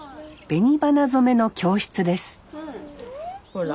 紅花染めの教室ですほら。